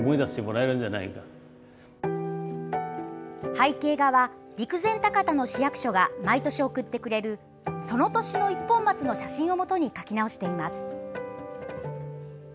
背景画は、陸前高田の市役所が毎年送ってくれるその年の一本松の写真をもとに描き直しています。